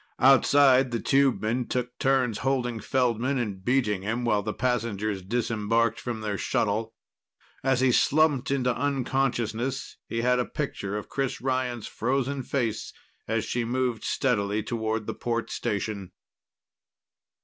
Outside, the tubemen took turns holding Feldman and beating him while the passengers disembarked from their shuttle. As he slumped into unconsciousness, he had a picture of Chris Ryan's frozen face as she moved steadily toward the port station.